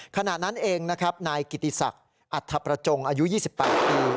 ขณะนั้นเองนะครับนายกิติศักดิ์อัธประจงอายุ๒๘ปี